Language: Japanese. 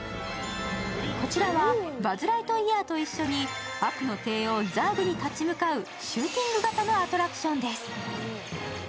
こちらはバズ・ライトイヤーと一緒に悪の帝王ザーグに立ち向かうシューティング型のアトラクションです。